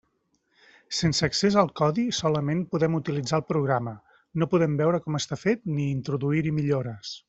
Sense accés al codi solament podem utilitzar el programa; no podem veure com està fet ni introduir-hi millores.